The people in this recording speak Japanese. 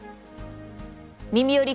「みみより！